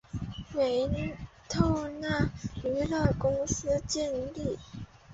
透纳娱乐公司建立。